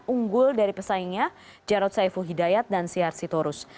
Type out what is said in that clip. unggul dari pesaingnya jarod saiful hidayat dan siar sitorus